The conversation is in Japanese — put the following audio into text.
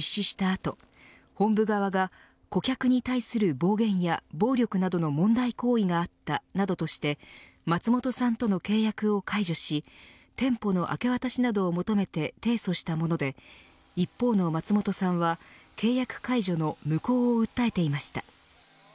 あと本部側が顧客に対する暴言や暴力などの問題行為があったなどとして松本さんとの契約を解除し店舗の明け渡しなどを求めて提訴したもので一方の松本さんは契約解除の無効を訴えていました。